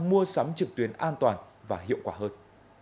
mua sắm trực tuyến an toàn và hiệu quả hơn